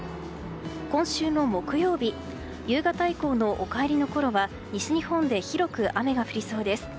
今週の木曜日夕方以降のお帰りのころは西日本で広く雨が降りそうです。